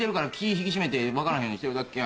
引き締めて分からへんようにしてるだけや。